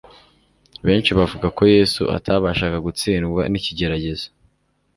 Benshi bavuga ko Yesu atabashaga gutsindwa n'ikigeragezo